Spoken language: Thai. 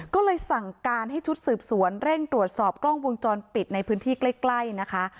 ก็เลยสั่งการให้ชุดสืบสวนเร่งตรวจสอบกล้องวงจรปิดในพื้นที่ใกล้นะคะ